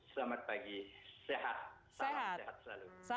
selamat pagi sehat salam sehat selalu